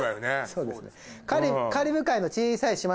そうですね。